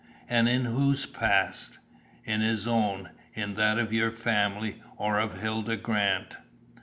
"And in whose past?" "In his own, in that of your family, or of Hilda Grant."